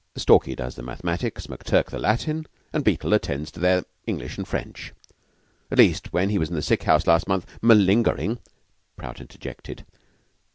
"Stalky does the mathematics, McTurk the Latin, and Beetle attends to their English and French. At least, when he was in the sick house last month " "Malingering," Prout interjected.